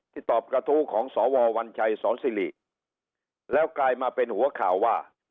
ตอบกระทู้ของสววัญชัยสอนสิริแล้วกลายมาเป็นหัวข่าวว่า